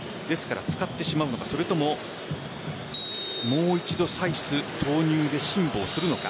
使ってしまうのかそれとももう一度サイス投入で辛抱するのか。